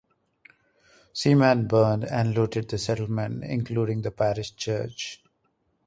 The seamen burned and looted the settlement, including the parish church.